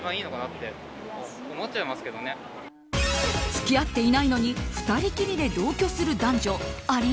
付き合っていないのに２人きりで同居する男女あり？